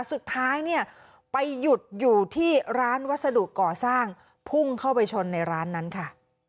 สุดท้ายเนี่ยไปหยุดอยู่ที่ร้านวัสดุก่อสร้างพุ่งเข้าไปชนในร้านนั้นค่ะ